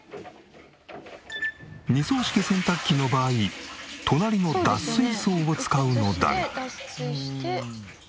二槽式洗濯機の場合隣の脱水槽を使うのだが。